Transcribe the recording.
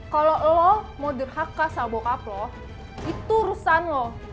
kalau lo mau dirhaka sama bokap lo itu urusan lo